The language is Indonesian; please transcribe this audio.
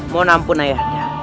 mohon ampun ayah